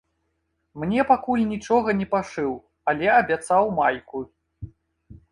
Мне пакуль нічога не пашыў, але абяцаў майку.